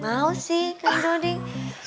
mau sih kang broding